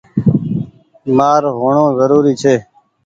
مآر هوڻو زوري ڇي۔